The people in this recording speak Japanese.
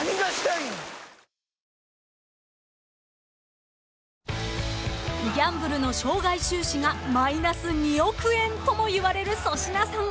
ニトリ［ギャンブルの生涯収支がマイナス２億円ともいわれる粗品さん。